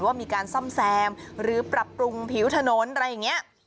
ว่ามีการซ่อมแซมหรือปรับปรุงผิวถนนอะไรอย่างนี้